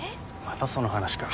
またその話か。